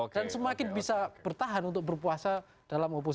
dan semakin bisa bertahan untuk berpuasa dalam oposisi